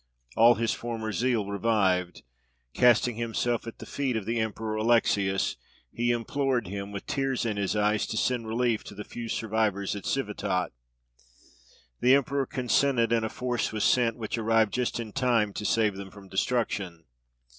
All his former zeal revived: casting himself at the feet of the Emperor Alexius, he implored him, with tears in his eyes, to send relief to the few survivors at Civitot. The emperor consented, and a force was sent, which arrived just in time to save them from destruction.